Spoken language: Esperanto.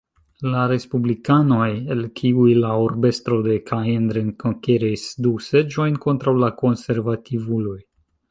La respublikanoj, el kiuj la urbestro de Caen rekonkeris du seĝojn kontraŭ la konservativuloj.